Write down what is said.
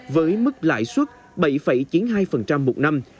với mức lãi suất bảy chín mươi hai một năm